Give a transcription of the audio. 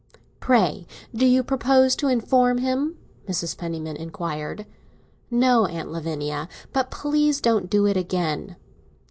"Pray, do you propose to inform him?" Mrs. Penniman inquired. "No, Aunt Lavinia. But please don't do it again."